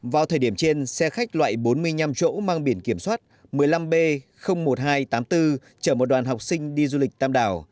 vào thời điểm trên xe khách loại bốn mươi năm chỗ mang biển kiểm soát một mươi năm b một nghìn hai trăm tám mươi bốn chở một đoàn học sinh đi du lịch tam đảo